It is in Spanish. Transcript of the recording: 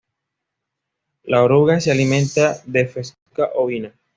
La oruga se alimenta de "Festuca ovina".